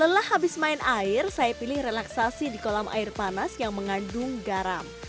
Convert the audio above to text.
lelah habis main air saya pilih relaksasi di kolam air panas yang mengandung garam